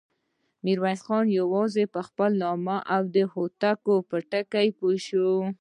ميرويس خان يواځې په خپل نوم او د هوتکو په ټکي پوه شو.